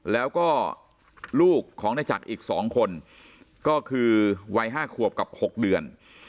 แล้วก็ลูกของนายจักรอีก๒คนก็คือวัย๕ขวบกับ๖เดือน